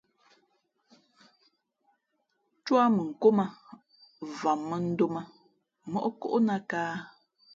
Tú á mʉnkóm ā, vam mᾱndōm ā móʼ kóʼnāt kāhā ?